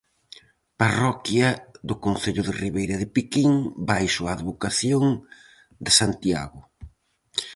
Parroquia do concello de Ribeira de Piquín baixo a advocación de Santiago.